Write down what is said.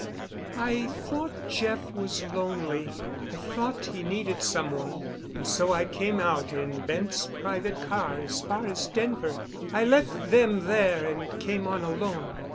"I thought Jeff was lonely. I thought he needed some one, and so I came out in the Bents' private car as far as Denver. I left them there and came on alone.